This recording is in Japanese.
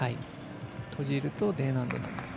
閉じるとＤ難度になりますね。